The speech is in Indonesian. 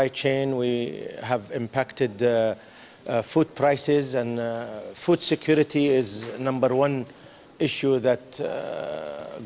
yang terjadi di pikiran setiap pemerintah